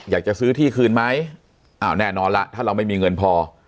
อยากจะซื้อที่คืนไหมอ้าวแน่นอนล่ะถ้าเราไม่มีเงินพอ